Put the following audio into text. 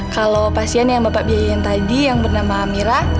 kalau pasien yang bapak biayain tadi yang bernama mira